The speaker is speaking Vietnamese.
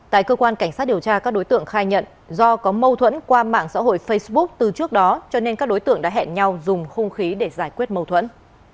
tại cơ quan cảnh sát điều tra các đối tượng khai nhận do có mâu thuẫn qua mạng xã hội facebook từ trước đó cho nên các đối tượng đã hẹn nhau dùng hung khí để giải quyết mâu thuẫn